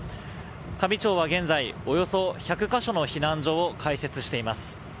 香美町は現在およそ１００か所の避難所を開設しています。